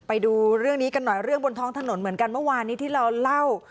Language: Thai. ไปดูเรื่องนี้กันหน่อยเรื่องบนท้องถนนเหมือนกันเมื่อวานนี้ที่เราเล่า